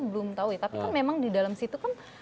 belum tahu ya tapi kan memang di dalam situ kan